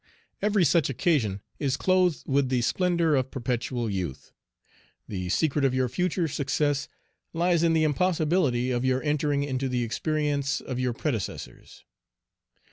Every such occasion is clothed with the splendor of perpetual youth. The secret of your future success lies in the impossibility of your entering into the experience of your predecessors.